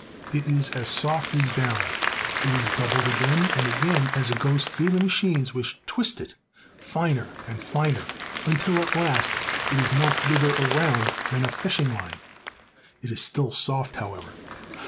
It is as soft as down. It is doubled again and again as it goes through machines which twist it finer and finer, until at last it is not bigger around than a fishing line. It is still soft, however.